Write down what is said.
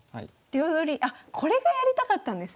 あっこれがやりたかったんですね。